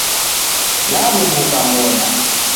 Naruwuka moda